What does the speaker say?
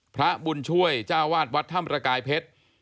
พระบุญช่วยเจ้าวาดวัดถ้ำประกายเพชร